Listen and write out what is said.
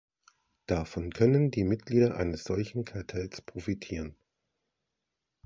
Davon können die Mitglieder eines solchen Kartells profitieren.